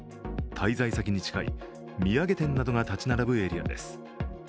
滞在先に近い、土産店などが建ち並ぶエリアです。